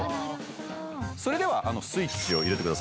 それではスイッチを入れてください。